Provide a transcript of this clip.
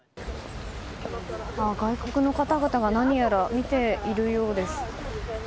外国の方々が何やら見ているようです。